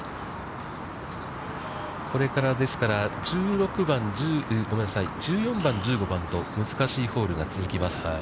これから、１６番、ごめんなさい、１４番、１５番と、難しいホールが続きます。